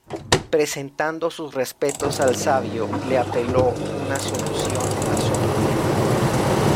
Presentando sus respetos al sabio, le apeló una solución a su problema.